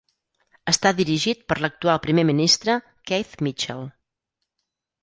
Està dirigit per l'actual primer ministre, Keith Mitchell.